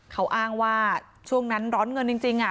เขาอ้างว่าช่วงนั้นร้อนเงินจริง